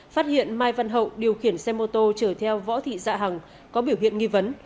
phát hiện mai văn hậu điều khiển xe mô tô chở theo võ thị dạ hẳng có biểu hiện nghi vấn